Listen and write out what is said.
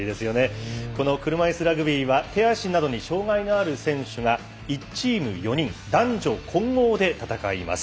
この車いすラグビーは手足などに障がいがある選手が１チーム４人男女混合で戦います。